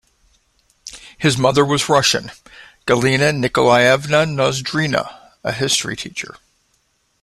His mother was Russian, Galina Nikolaevna Nozdrina, a history teacher.